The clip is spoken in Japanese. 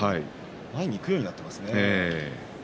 前に行くようになっていますね。